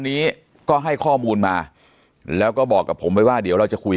นี้ก็ให้ข้อมูลมาแล้วก็บอกกับผมไว้ว่าเดี๋ยวเราจะคุย